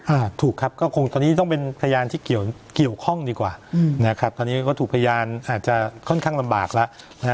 ถูกครับก็คงตอนนี้ต้องเป็นพยานที่เกี่ยวเกี่ยวข้องดีกว่าอืมนะครับตอนนี้ก็ถูกพยานอาจจะค่อนข้างลำบากแล้วนะฮะ